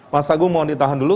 mas agung mohon ditahan dulu